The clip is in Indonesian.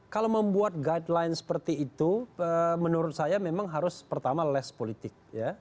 kalau membuat guideline seperti itu menurut saya memang harus pertama less politik